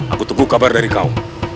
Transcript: aku tunggu kabar dari kau